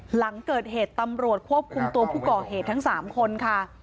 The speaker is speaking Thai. หลังเกิดเหตุตำรวจควบคุมตัวผู้ก่อเหตุทั้ง๓คนค่ะ